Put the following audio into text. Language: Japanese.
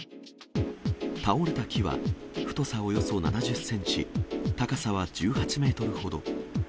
倒れた木は、太さおよそ７０センチ、高さは１８メートルほど。